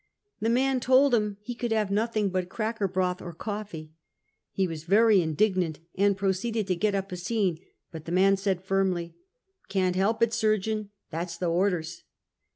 The man told him he could have nothing but cracker broth or coilee. He was very indignant, and proceeded to get up a scene; but the man said, firmly: " Can 't help it. Surgeon! That 's the orders!"